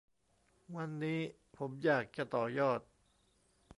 วันนี้ผมอยากจะต่อยอด